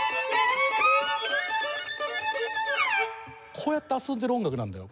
こうやって遊んでる音楽なんだよ